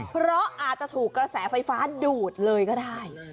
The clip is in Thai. เพราะอาจจะถูกกระแสไฟฟ้าดูดเลยก็ได้